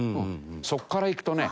そこからいくとね